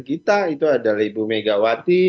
kita itu adalah ibu megawati